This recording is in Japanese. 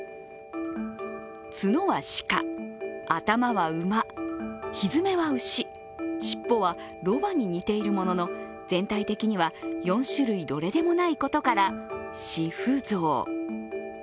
角は鹿、頭は馬、ひづめは牛、尻尾はロバに似ているものの全体的には４種類どれでもないことから四不像。